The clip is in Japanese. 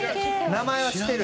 名前は知ってる。